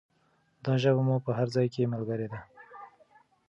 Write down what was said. دا ژبه مو په هر ځای کې ملګرې ده.